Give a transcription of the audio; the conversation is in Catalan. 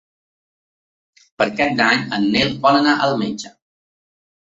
Per Cap d'Any en Nel vol anar al metge.